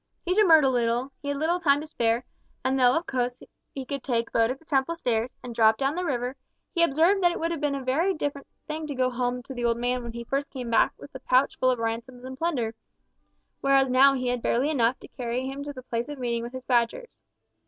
He demurred a little, he had little time to spare, and though, of course, he could take boat at the Temple Stairs, and drop down the river, he observed that it would have been a very different thing to go home to the old man when he first came back with a pouch full of ransoms and plunder, whereas now he had barely enough to carry him to the place of meeting with his Badgers.